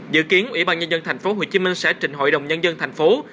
dự kiến ủy ban nhân dân tp hcm sẽ trình hội đồng nhân dân tp hcm